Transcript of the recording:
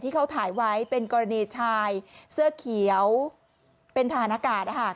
ที่เขาถ่ายไว้เป็นกรณีชายเสื้อเขียวเป็นฐานอากาศ